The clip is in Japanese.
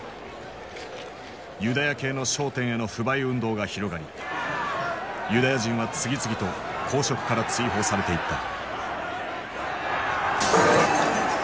ユダヤ系の商店への不買運動が広がりユダヤ人は次々と公職から追放されていった。